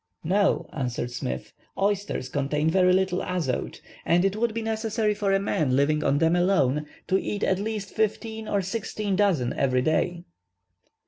"No," answered Smith. "Oysters contain very little azote, and it would be necessary for a man living on them alone to eat at least fifteen or sixteen dozen every day."